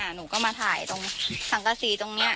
หนูก็มาถ่ายตรงสังกษีตรงนี้